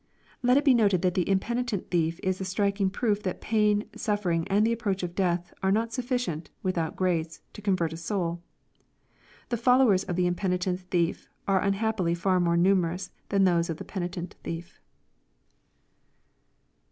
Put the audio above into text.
''v Let it be noted that the impenitent tliief is a striking proof that pain, suffering, and the approach of death, are not sufficient^ with out grace, to convert a soul. The followers of the impenitent thief are unhappily far more numerous than those of the penitent tliief.